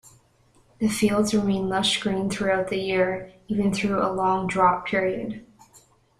The fields remain lush-green throughout the year, even through a long drought period.